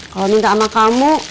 kalau minta sama kamu